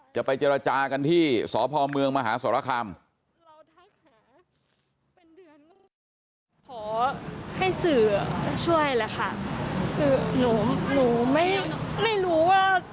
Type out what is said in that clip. จะไปเจรจากันที่สพเมืองมหาสรคาม